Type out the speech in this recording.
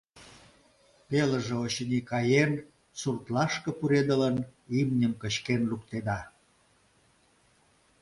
Пелыже, очыни, каен, суртлашке пуредылын, имньым кычкен луктеда.